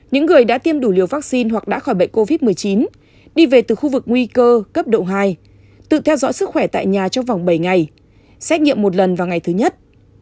những người đã tiêm đủ liều vaccine hoặc đã khỏi bệnh covid một mươi chín đi về từ khu vực nguy cơ cấp độ hai tự theo dõi sức khỏe tại nhà trong vòng bảy ngày xét nghiệm một lần vào ngày thứ nhất